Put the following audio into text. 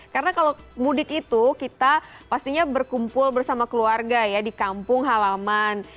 karena kalau mudik itu kita pastinya berkumpul bersama keluarga ya di kampung halaman